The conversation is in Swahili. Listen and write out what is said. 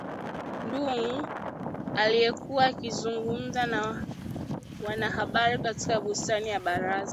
Ndung'u aliyekuwa akizungumza na wanahabari katika bustani ya baraza